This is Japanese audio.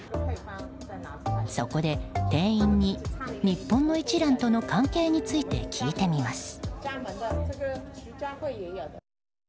そこで、店員に日本の一蘭との関係について聞いてみます。